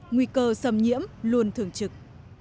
nguy cơ xâm nhiễm luôn thường trực